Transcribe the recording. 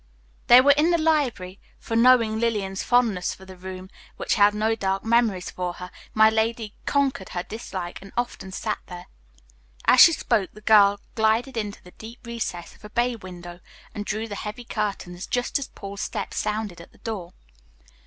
They were in the library, for, knowing Lillian's fondness for the room which held no dark memories for her, my lady conquered her dislike and often sat there. As she spoke, the girl glided into the deep recess of a bay window and drew the heavy curtains just as Paul's step sounded at the door.